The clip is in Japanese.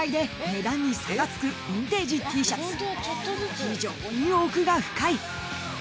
［非常に奥が深い］